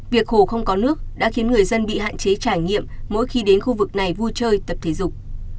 việc hồ không có nước đã khiến người dân bị hạn chế trải nghiệm mỗi khi đến khu vực này vui chơi tập thể dục